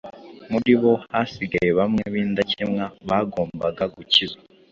muri bo hasigaye bamwe b’indakemwa bagombaga gukizwa.